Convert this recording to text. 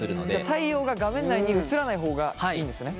太陽が画面内に映らない方がいいんですね？